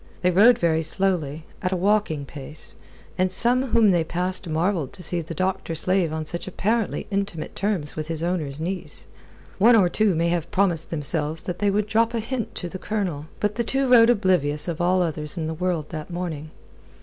They rode very slowly, at a walking pace, and some whom they passed marvelled to see the doctor slave on such apparently intimate terms with his owner's niece. One or two may have promised themselves that they would drop a hint to the Colonel. But the two rode oblivious of all others in the world that morning.